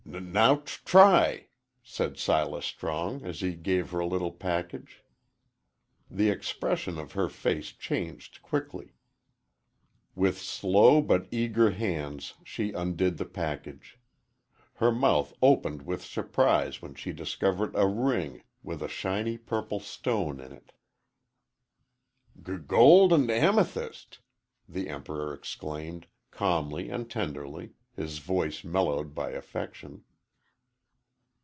"N now, t try," said Silas Strong, as he gave her a little package. The expression of her face changed quickly. With slow but eager hands she undid the package. Her mouth opened with surprise when she discovered a ring with a shiny, purple stone in it. "G gold an' amethys'!" the Emperor exclaimed, calmly and tenderly, his voice mellowed by affection.